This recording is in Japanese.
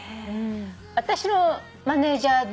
私のマネジャーで。